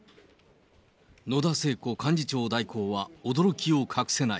野田聖子幹事長代行は、驚きを隠せない。